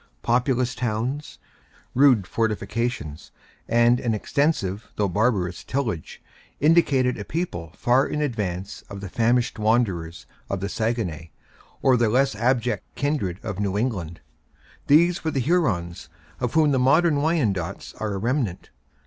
Populous towns, rude fortifications, and an extensive, though barbarous tillage, indicated a people far in advance of the famished wanderers of the Saguenay, or their less abject kindred of New England. These were the Hurons, of whom the modern Wyandots are a remnant.